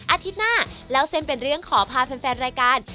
อาทิตย์หน้าเล่าเส้นเป็นเรื่องขอพาแฟนรายการ